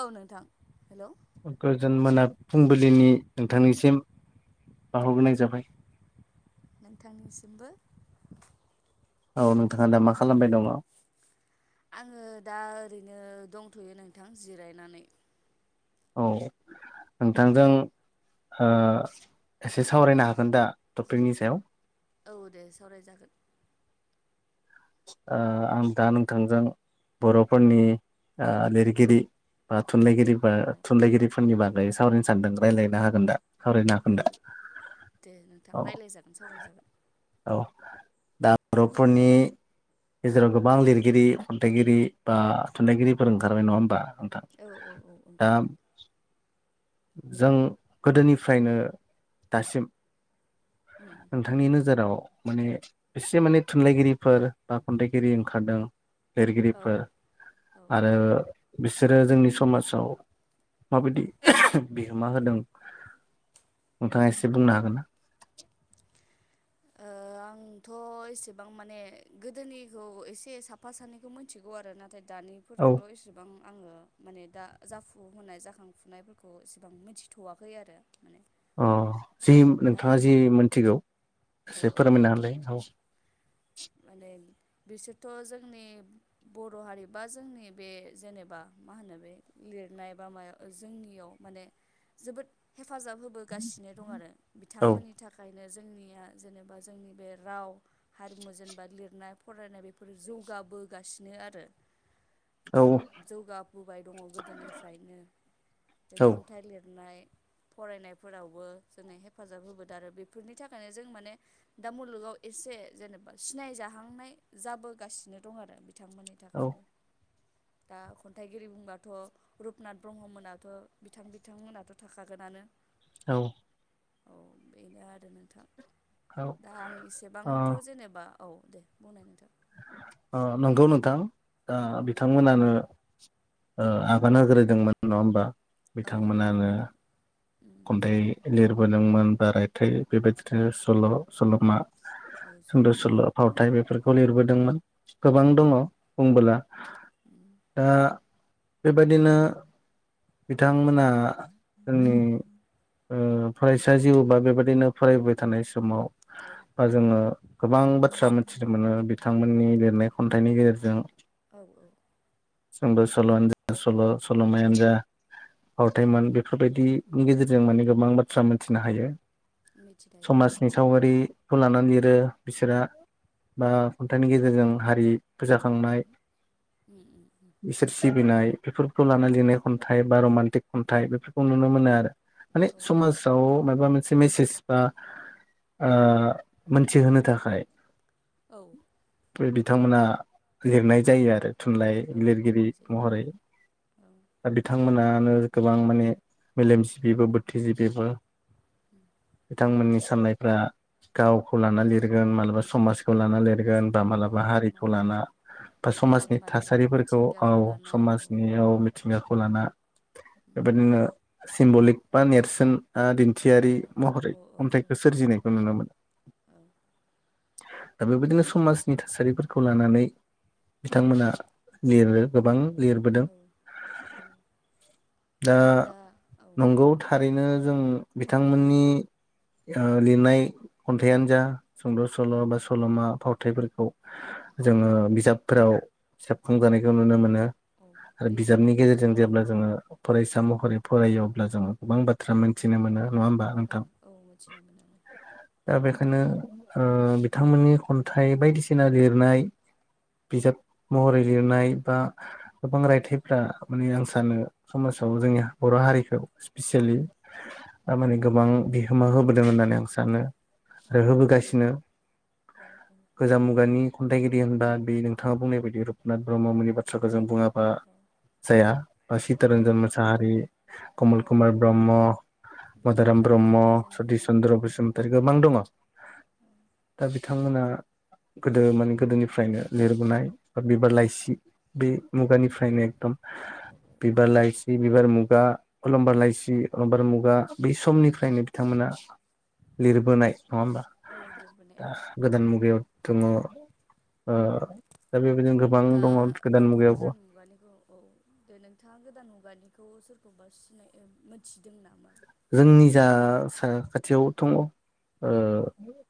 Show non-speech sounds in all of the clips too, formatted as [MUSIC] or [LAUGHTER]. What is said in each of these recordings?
औ नोंथां हेल' गोजोन मोना फुंबिलिनि नोंथांनिसिम बावहरग्रोनाय जाबाय नोंथांनिसिमबो औ नोंथाङा दा मा खालामबाय दङ आङो दा ओरैनो दंथ'यो नोंथां जिरायनानै औ नोंथांजों ओ एसे सावरायनो हागोन दा टपिकनि सायाव औ दे सावरायजागोन ओ आं दा नोंथांजों बर'फोरनि ओ लिरगिरि बा थुनलाइगिरि औ औ थुनलाइगिरिफोरनि बागै सावरायनो सानदों रायजलायनो हागोन दा सावरायनो हागोन औ दा दे नोंथां औ रायज्लायजागोन सावरायजागोन औ दा बर'फोरनि गेजेराव गोबां लिरगिरि खन्थाइगिरि बा थुनलाइगिरिफोर ओंखारबाय नङा होमबा नोंथां औ औ औ दा ओंखारबाय जों गोदोनिफ्रायनो दासिम उम नोंथांनि नोजोराव माने एसे माने थुनलाइगिरिफोर बा खन्थाइगिरि ओंखारदों औ लिरगिरिफोर औ ओ आरो बिसोरो जोंनि समाजाव माबायदि बिहोमा होदों नोंथाङा एसे बुंनो हागोन ना? ओ आंथ' एसेबां माने गोदोनिखौ एसे साफा सानैखौ मिथिगौ आरोना नाथाय औ दानिफोरखौथ' एसेबां आङो माने दा जाफुहोनाय जाखांफुनायफोरखौ एसेबां मिथि थ'वाखै आरो माने अ जि दा नोंथाङा जि मोनथिगौ औ एसे औ फोरमायना होलाय औ माने बिसोरथ' जोंनि बर' हारि बा जोंनि बे जेनेबा मा होनो बे लिर नाय माया जोंनियाव माने जोबोद हे हेफाजाब होबोगासिनो दं आरो औ बिथांमोननि थाखाय नो जोंनिया जेनेबा जोंनि बे राव हारिमु जों बा लिरनाय फरायनाय बेफोर जौगाबोगासिनो आरो औ जौगाबोबाय दङ गोदोनिफ्रायनो बे औ खन्थाइ लिरनाय फरायनायफोरावबो जोंनो हेफाजाब होबोदों आरो बेफोरनि थाखायनो जों माने दा मुलुगाव एसे जेनेबा सिनायजाहांनाय जाबोगासिनो दं आरो बिथांमोननि औ थाखायनो दा खन्थाइगिरि बुंबाथ' रुपनाथ ब्रह्ममोनाथ' बिथां बिथांमोनाथ' थाखागोनानो औ औ बेनो आरो नोंथां औ दा आं अ एसेबांथ' जेनेबा औ दे बुंनाय नोंथां ओ नंगौ नोंथां ओ बिथांमोनानो आगान होग्रोदोंमोन नङा होमबा औ औ बिथांमोनानो गिबि गिबि खन्थाइ लिरबोदोंमोन बा रायथाइ बेबायदिनो सल' सल'मा औ सुंद' सल'मा सल' फावथाइ बेफोरखौ लिरबोदोंमोन औ गोबां दङ बुंबोला दा बेबायदिनो बिथांमोना जोंनि ओ फरायसा जिउ बा बेबायदिनो फरायबाय थानाय समाव बा जोङो गोबां बाथ्रा मिथिनो मोनो बिथांमोननि लिरनाय खन्थाइनि गेजेरजों औ औ सु'द सल'वानो जा सल' सल'मायानो जा औ फावथाइमोन बेफोरबायदि नि गेजेरजों माने गोबां बाथ्रा मिथिनो हायो मिथिखायो औ समाजनि सावगारि खौ लानानै लिरो बिसोरा बा खन्थाइनि गेजेरजों हारि फोजाखांनाय उम इसोर सिबिनाय बेफोरखौ लानानै लिरनाय खन्थाइ बा रमान्टिक खन्थाइ बेफोरखौ नुनो मोनो आ माने उम समाजाव माबा मोनसे मेसेज बा मिनथिहोनो थाखाय औ बे बिथांमोना लिरनाय जायो आरो थुनलाइ औ लिरगिरि लिरनाय जायो महरै औ दा बिथांमोनानो ओ गोबां माने मेलेमजबिबो बुद्विजिबि बिथांमोननि सि साननायफ्रा गावखौ लाना लिरगोन मालाबा समाजखौ लाना लिर' गोन' बा औ मालाबा हारिखौ माबा लाना बा समाजनि मालाबा थासारिफोरखौ औ मिथिंगाखौ लाना समाजनि औ मिथिंगाखौ लाना बेबायदिनो सिम्बलिक बा नेरसोन आ दिन' थियारि औ महरै औ औ खन्थाइखौ सोरजिनायखौ नुनो मोनो औ दा बेबायदिनो समाजनि थासारिफोरखौ लानानै बिथांमोना लिरो गोबां लिरबोदों औ औ दा औ नंगौ दे थारैनो जों बिथांमोननि ओ लिरनाय खन्थाइयानो जा सुंद' सल' उम बा सल'मा फाव थाइफोरखौ जोङो बिजाबफोराव सेबखांजानायखौ नुनो मोनो। औ आरो बे बिजाबनि गेजेरजों बेफोरखौनो औ जेब्ला जोङो फरायसा महरै फरायो अ ब्ला जोङो गोबां बाथ्रा मोथिनो मोनो नङा होमबा औ नोंथां। औ मिथिनो मोनो दा बे खायनो ओ बिथांमोननि खन्थाइ बायदिसिना लिरनाय बिजाब महरै लिरनाय बा गोबां रायथाइफ्रा माने आं सानो समाज साव जोंनि बर' हारिखो सिलि दामाने गोबां बिहोमा होबोदों होननानै आं सानो। औ होबोगासिनो औ गोजाम मुगानि खन्थाइगिरि होनबा बे नोंथाङा बुंनाय बादि रुपनाथ ब्रह्ममोननि बाथ्राखो जों बुङा बा जाया बा औ चितरन्जन मोसाहारि कमल औ कुमार ब्रह्म, मदाराम बिथांमोनानो ब्रह्म, जागायजेनदोंमोन सतिश आरो चन्द्र बसुमतारी गोबां दङ। दा बि थांमोना गोदो माने गोदोनिफ्रायनो लिरबोनाय बा बिबार लाइसि बे औ मुगानिफ्रायनो एकदम औ बिबार लाइसि बिबार मुगा अलंबार लाइसि अलंबार मुगा बै समनिफ्रायनो बिथांमोना लिरबोनाय नङा होमबा औ औ लिरबोनाय दा औ गोदान मुगायाव दङ ओ दा बे दा दाथ' गोदान मुगानिखौ औ दे नोंथाङा गोदान मुगानिखौ सोर खौबा सिनायो ओ मोनथिदों नामा? जोंनि जा लिरगिरि साखाथियाव दङ। ओ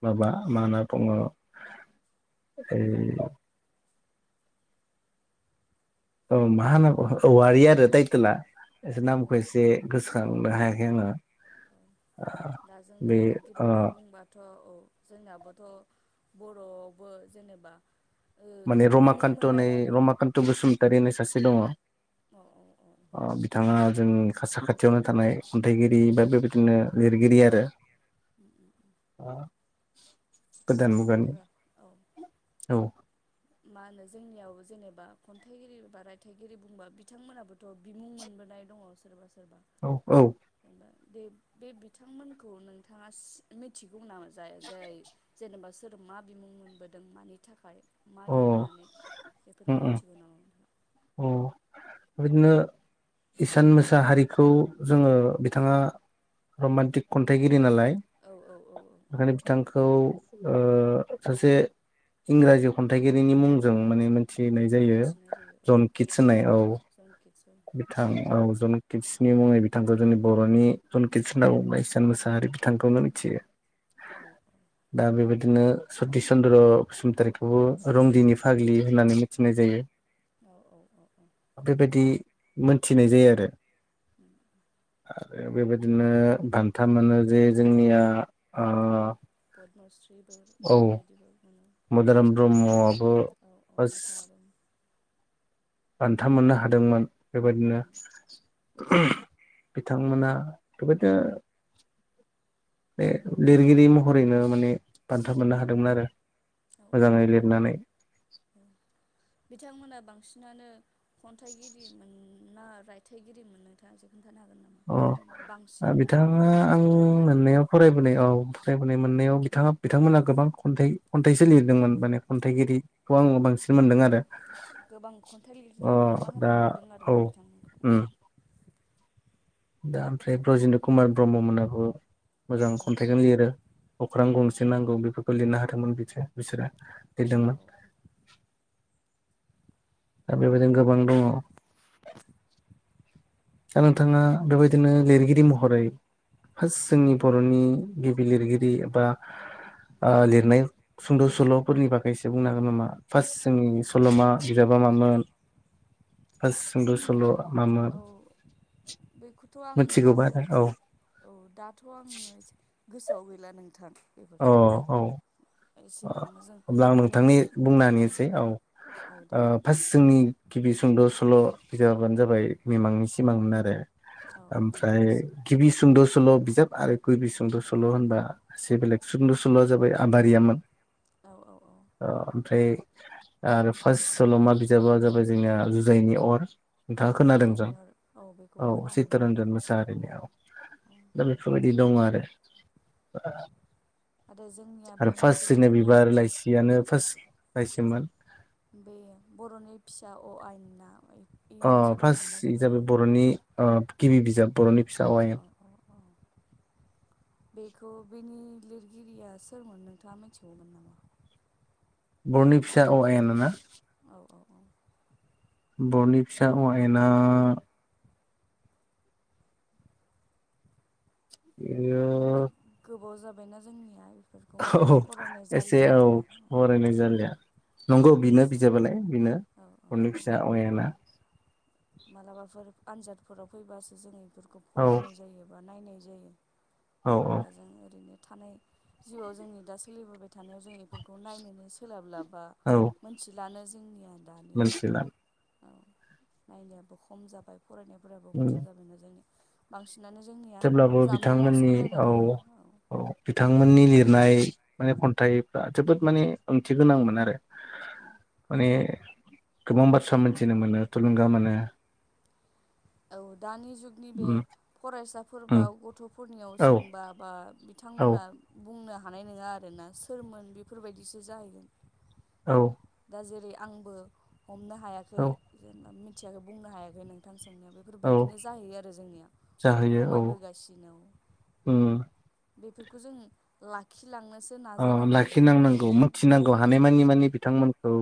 माबा मा होनना बुङो ओ औ मा होनांगौ अह औवारि आरो टाइटेला एसे औ औ नामखौ औ एसे गोसोखांनो हाया औ दा जोंना बे ओ लिरगिरिफोर बुंबाथ' औ। जोंनाबोथ' बर'आवबो जेनेबा ओ माने बिमुं रमाकान्त नै मोनलायनाय दं रमाकान्त बसुमतारि होन्नाय सासे दङ। अ औ औ। जोंनि खा साखथियावनो थानाय खन्थाइगिरि बा बेबायदिनो लिरगिरि आरो। ओ ओ ओम। गोदान मुगानि औ औ। मा होनो जोंनियाव जेनेबा खन्थाइगिरि बा रायथाइगिरि बुंबा बिथांमोनाबोथ' बिमुं मोनबोनाय दङ। अ सोरबा सोर औ औ। दे बे बिथांमोनखौ नोंथाङा सि मिथिगौ नामा जाय जाय जेनेबा सोर मा बिमुं मोनबोदों मानि थाखाय। मा अ लिननानै उम एफोरखौ उम मिथिगौ नामा? अ बिदिनो इसान मोसाहारिखौ जोङो बिथाङा रमान्टिक खन्थाइगिरि नालाय। औ औ औ औ औ बेखायनो बिथांखौ ओ सासे इंराजि खन्थाइगिरिनि मुंजों माने मिथिनाय जायो मोनथिनाय जायो औ जन कितस होननाय औ जनकिटसन बिथां औ। जन कित्सनि मुङै बिथांखौ जोंनि बर'नि जन कित्स होनना बुंबाय इसान मोसाहारि बिथांखौनो मिथियो। औ दा बेबायदिनो बिदिनो सतिस चन्द्र बसुमतारीखौबो रंदिनि फाग्लि होननानै मिथिनाय जायो। औ औ औ औ। बेबायदि मोनथिनाय जायो आरो। उम। आरो बेबायदिनो बान्था मोनो जे जोंनिया ओ पदमस्रिबो औ इफोरबायदिबो मोनो। मदाराम ब्रह्मआबो औ औ बास बिथाङाबो बान्था मोननो हादोंमोन बेबायदिनो बिथांमोना बेबायदिनो बे लिरगिरि महरैनो माने बान्था मोननो हादोंमोन आरो औ औ मोजाङै लिरनानै [UNINTELLIGIBLE] औ बिथांमोना बांसिनानो खन्थाइगिरिमोन ना रायथाइगिरिमोन नोंथाङा जिखुन अ ओ माखौ बिथाङा आं बिथांमोना लिरो मोननायाव फरायबोनाय औ फ्रायबोनाय मोननायाव बिथाङा बिथांमोना गोबां खन्थाइ खन्थाइसो लिरदोंमोन माने औ खन्थाइगिरिखौ आङो बांस सिन मोनदों आरो गोबां खन्थाइ अ लिरनायाव बिहोमा दा होनाय नुदों औ आरोना बिथांमोनखौ। उम दा ओमफ्राय ब्रजेन्द्र कुमार ब्रह्ममोनाबो मोजां औ खन्थाइखौनो लिरो अख्रां गंसे नांगौ बेफोरखौ लिरनो हाथोंमोन बिसो बिसोरो दि औ लों मो औ दा बेबायदिनो गोबां दङ। दा नोंथाङा बेबायदिनो लिरगिरि महरै फास्ट जोंनि बर'नि गिबि लिरगिरि एबा ओ लिरनाय सुंद' सल'फोरनि बागैसो बुंनो हागोन नामा फास्ट जोंनि सल'मा बिजाबा अ मामोन फास्ट सुंद' सल'आ मामोन? अ बेखौथ' आं मिथिगौबा दाथ' गो आरो औ औ दाथ' आङो एसे गोसोआव गैला नोंथां। अ बेफोरखौ औ ओ एसेबांनो जों अब्ला आं माने नोंथांनि बुंना होनिसै औ ओ औ दे फास्ट जोंनि गिबि सुंद' सल' बिजाबानो जाबाय मिमांनि सिमांमोन आरो औ औ ओमफ्राय मिमांसिगोन गिबि सुंद' स सल' बिजाब आरो गिबि सुंद' सल' होनबा एसे बेलेग सुंद' सल'आ जाबाय आबारियामोन। औ औ औ अ फ्राय आरो फास्ट सल'मा बिजाबा जाबाय जोंना जुजाइनि अर। औ नोंथाङा खोनादों जां जुजाइनि अर बेखौ औ खोनानो मोन्दों चित्तरन्जन औ मोसाहारिनि औ दा बेफोरबायदि दं आरो ओ आरो जोंनिया बे आरो मोनसे फास्ट जोंनिया दंमोन ना बिबार औ लाइसियानो फास्ट लाइसिमोन। बे बर'नि फिसा अ आइेन ना ऐ अ फास्ट बि जाबाय बर'नि ओ गिबि बिजाब बर'नि फिसा अ आइेन औ औ औ [INAUDIBLE] बेखौ बिनि लिरगिरिया सोरमोन नोंथाङा मिथिगौमोन नामा? बर'नि फिसा अ आइेना ना? अ अ औ बर'नि फिसा अ आइेना बेयो माने गोबाव जाबायना जोंनिया बेखौ माने औ फरायनाय एसे जालिया औ आरो औ फरायनाय जालिया नंगौ बिनो एगजाम बिजाबालाय बिनो औ औ बर'नि औ फिसा अ आयेना मालाबाफोर आनजादफोराव फैबासो जोंङो इफोरखौ औ फरायनाय जायो बा नायनाय जायो। औ औ दा जों ओरैनो थानाय जिउआव जोंनि दा सोलिबोबाय थानायाव जों इफोरखौ नायनोनो सोलाबला बा मोनथिलानो ज मोनथिलाम नायनायाबो खम जाबाय फरायनायफोराबो खम जाबायना जोंनिया बांसिन थेब्लाबो बिथांमोननि औ औ बिथांमोननि लिर नाय माने खन्थाइफ्रा जोबोद माने ओंथि गोनांमोन आरो औ ने गोबां बाथ्रा मोन्थिनो मोनो थुलुंगा मोनो। औ दानि जुगनि बे उम फरायसाफ उम फोरबाव गथ'फोरनियाव औ सोंबा बा औ बिथांमोना उम बुंनो हानाय नङा आरोना सोरमोन बेफोरबायदिसो जाहैगोन। औ। दा जेरै आंबो हमनो हायाखै औ जेनेबा मिथियाखै बुंनो हायाखै नोंथां सोंनायाव औ बेफोरबायदिनो जाहैयो आरो जोंनिया जाहैयो औ खमायबोगासिनो। उम बेफोरखौ जों लाखि औ लाखिनांनांगौ मिथिनांगौ औ औ हानायमानि मानि बिथांमोनखौ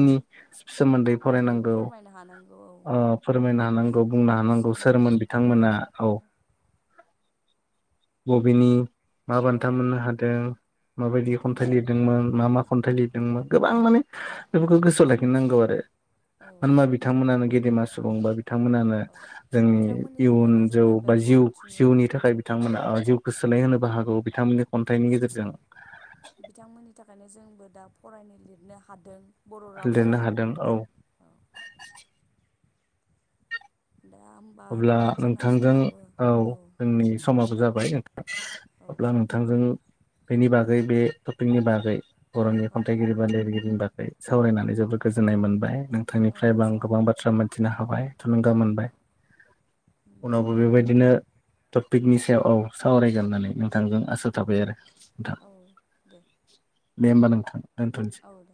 औ सोमोन्दै बागै फरायनांगौ फोरमायनो हानांगौ औ ओ फोरमायनो बुंनो हानांगौ सोरबा सोरमोन मिथियैखौ बुंनो बिथांमोना हानांगौ औ बबेनि मा औ बान्था मोननो हादों। औ माबायदि औ खन्थाइ लिरदोंमोन मा मा खन्थाइ लिरदोंमोन गोबां माने बेफोरखौ गोसोआव लाखिनांगौ आरो। औ मानोबा बिथांमोनानो गेदेमा सुबुं बा बिथांमोनानो औ जोंनि बिथांमोननि इयुन थाखायनो जौ जोंना बे बा जिउ बर' थुनलाइया जिउनि औ थाखाय बिथांमोना जिउ गोसो सोलाय होनोबो हागौ बिथांमोननि खन्थाइनि गेजेरजों बिथांमोननि थाखायनो जोंबो दा फरायनो लिरनो हादों। बर' लिरनो रावजों हादों औ। औ दा होमबा अब्ला नोंथां जोंना नोंथांजों समाबो औ जोंनि समाबो जाबाय नोंथां। औ अब्ला नोंथांजों बेनि बागै बे टपिकनि बागै बर'नि औ खन्थाइगिरि बा लिरगिरिनि बागै सावरायनानै जोबोर गोजोननाय मोनबाय। औ नोंथांनिफ्रायबो आं गोबां जानांगोन बाथ्रा मोनथिनो हाबाय थुलुंगामोन औ दे उनावबो होमबा ना बेबायदिनो नोंथां टपिकनि सायाव औ सावराय गोन होननानै नोंथांजों आसा थाबाय आरो। नोंथां औ दे। दे होमबा नोंथां दोनथ'नोसै। औ दे